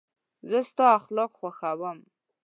زه ستا اخلاق خوښوم.